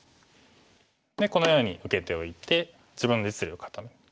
でこのように受けておいて自分の実利を固める。